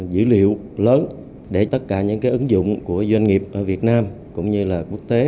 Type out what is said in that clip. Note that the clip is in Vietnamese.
dữ liệu lớn để tất cả những ứng dụng của doanh nghiệp ở việt nam cũng như quốc tế